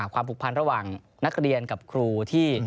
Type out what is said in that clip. ผูกพันระหว่างนักเรียนกับครูที่